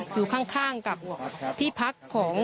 อยู่ข้างกับที่พักของ